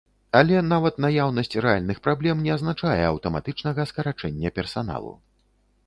Але нават наяўнасць рэальных праблем не азначае аўтаматычнага скарачэння персаналу.